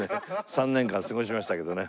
３年間過ごしましたけどね